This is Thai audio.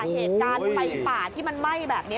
เหตุการณ์ไฟป่าที่มันไหม้แบบนี้